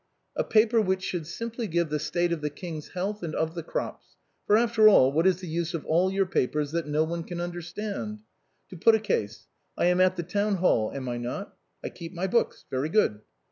"A paper which should simply give the state of the King's health and of tlie crops. For after all, what is the use of all your papers that no one can understand? To put a case. I am at the town hall, am I not? I keep my books; very good.